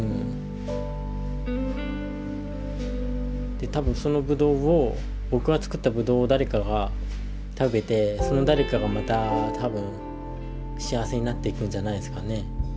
で多分そのぶどうを僕が作ったぶどうを誰かが食べてその誰かがまた多分幸せになっていくんじゃないですかね。